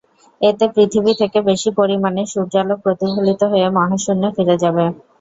এতে পৃথিবী থেকে বেশি পরিমাণে সূর্যালোক প্রতিফলিত হয়ে মহাশূন্যে ফিরে যাবে।